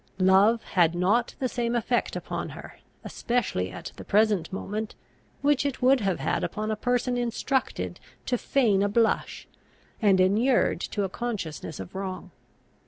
Love had not the same effect upon her, especially at the present moment, which it would have had upon a person instructed to feign a blush, and inured to a consciousness of wrong.